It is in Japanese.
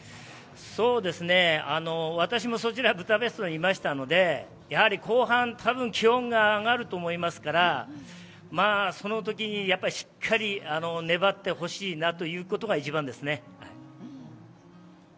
私もそちらブダペストにいましたのでやはり後半、たぶん気温が上がると思いますからそのときにしっかり粘ってほしいなということが一番ですね。